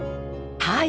はい。